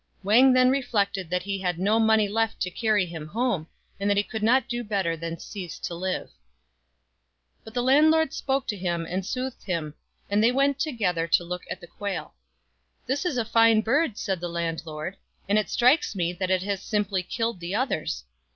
Wang then reflected that he had no money left to carry him home, and that he could not do better than cease to live. But the landlord spoke to him and soothed him, and they went together to look at the quail. "This is a fine bird," said the landlord, "and it strikes me that it has simply killed the others.